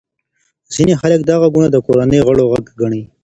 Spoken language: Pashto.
ځینې خلک دا غږونه د کورنۍ غړو غږ ګڼي.